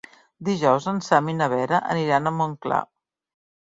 Dijous en Sam i na Vera aniran a Montclar.